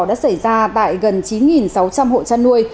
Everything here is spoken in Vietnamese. đã xảy ra tại gần chín sáu trăm linh hộ chăn nuôi